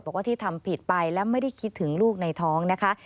บอกว่าที่ทำผิดไปและไม่ได้คิดถึงลูกในท้องนะคะ